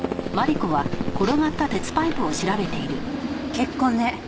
血痕ね。